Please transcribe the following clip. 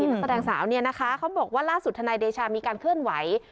นักแสดงสาวเนี่ยนะคะเขาบอกว่าล่าสุดธนายเดชามีการเคลื่อนไหว